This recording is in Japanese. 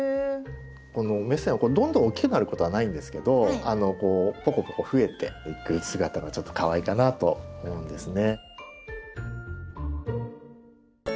このメセンはどんどん大きくなることはないんですけどこうポコポコ増えていく姿がちょっとかわいいかなと思うんですね。